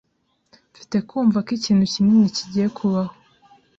Mfite kumva ko ikintu kinini kigiye kubaho.